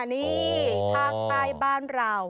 นี่ภาคใต้บ้านเรา